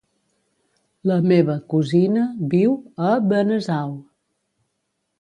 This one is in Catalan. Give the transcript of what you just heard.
La meva cosina viu a Benasau.